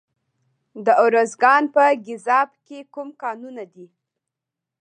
د ارزګان په ګیزاب کې کوم کانونه دي؟